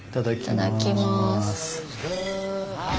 いただきます。